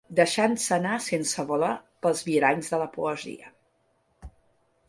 Deixant-se anar sense voler pels viaranys de la poesia